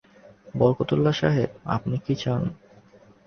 বরকতউল্লাহ সাহেব, আপনি কী চান?